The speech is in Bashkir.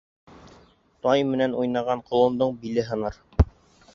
Тай менән уйнаған колондоң биле һыныр.